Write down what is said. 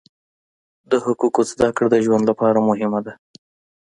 د حقوقو زده کړه د ژوند لپاره مهمه ده.